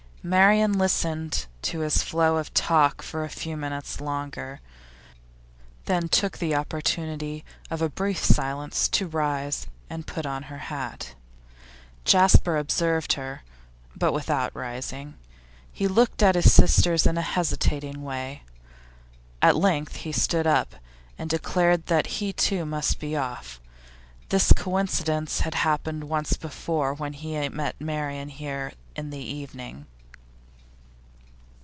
Marian listened to his flow of talk for a few minutes longer, then took the opportunity of a brief silence to rise and put on her hat. Jasper observed her, but without rising; he looked at his sisters in a hesitating way. At length he stood up, and declared that he too must be off. This coincidence had happened once before when he met Marian here in the evening.